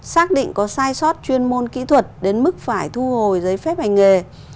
xác định có sai sót chuyên môn kỹ thuật đến mức phải thu hồi giấy phép hành nghề